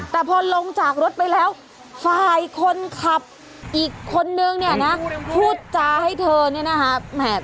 แต่พอลงจากรถไปแล้วฝ่ายคนขับอีกคนนึงเนี่ยนะพูดจาให้เธอเนี่ยนะฮะ